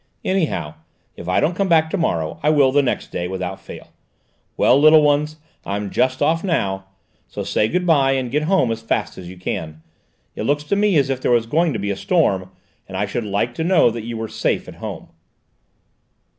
Anyhow, if I don't come back to morrow, I will the next day, without fail. Well, little ones, I'm just off now, so say good bye and get home as fast as you can. It looks to me as if there was going to be a storm, and I should like to know that you were safe at home."